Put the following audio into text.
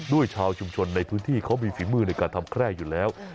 ชาวชุมชนในพื้นที่เขามีฝีมือในการทำแคร่อยู่แล้ว